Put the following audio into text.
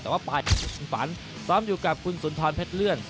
แต่ว่าไปคุณฝันซ้อมอยู่กับคุณสุนทรเพชรเลื่อน